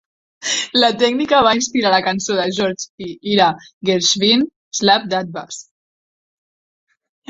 La tècnica va inspirar la cançó de George i Ira Gershwin "Slap That Bass".